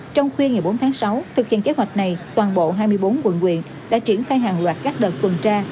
trong khuya ngày bốn tháng sáu thực hiện kế hoạch này toàn bộ hai mươi bốn quận quyện đã triển khai hàng loạt các đợt tuần tra